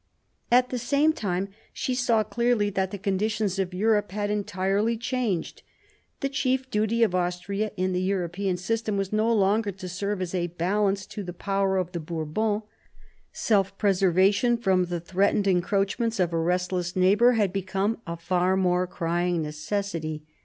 At the same time she saw clearly that the conditions of Europe had entirely changed. The chief duty of Austria in the European system was no longer to serve as a balance to the power of the Bourbons ; self preservation from the threatened encroachments of a restless neighbour had become a far more crying necessity.